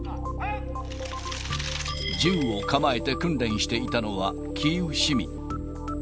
銃を構えて訓練していたのは、キーウ市民。